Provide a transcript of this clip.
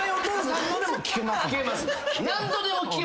何度でも聞けます。